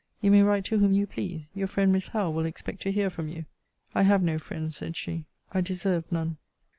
You may write to whom you please. Your friend, Miss Howe, will expect to hear from you. I have no friend, said she, I deserve none.